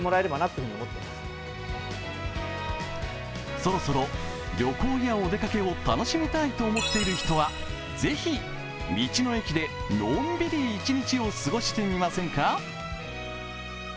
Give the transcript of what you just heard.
そろそろ旅行やお出かけを楽しみたいと思っている人はぜひ道の駅でのんびり一日を過ごしてみませんか？